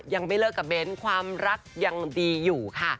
ยังไม่เลิกกับเบ้นความรักยังดีอยู่ค่ะ